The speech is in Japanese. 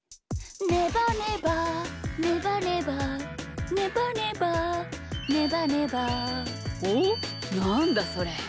「ねばねばねばねば」「ねばねばねばねば」おっなんだそれ？